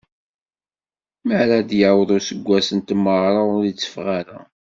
Mi ara d-yaweḍ useggas n tmegra, ur itteffeɣ ara.